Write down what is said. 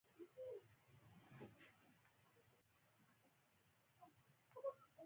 د حشویه او اهل حدیث له ذوق سره مخ کېږو.